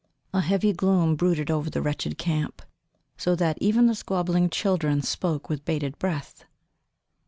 A heavy gloom brooded over the wretched camp, so that even the squabbling children spoke with bated breath.